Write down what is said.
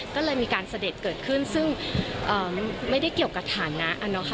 ก็เลยมีการเสด็จเกิดขึ้นซึ่งมันไม่ได้เกี่ยวกับฐานะนะคะ